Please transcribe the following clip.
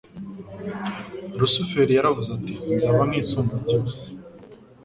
Lusiferi yaravuze ati :« Nzaba nk'Isumbabyose.'